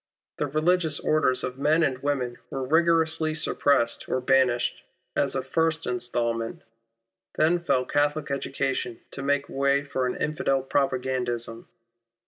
The religious orders of men and women were rigorously suppressed or banished, as a first instalment. Then fell Catholic education to make way for an Infidel propagandism.